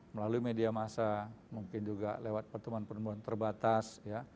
melalui media masa mungkin juga lewat pertemuan pertemuan terbatas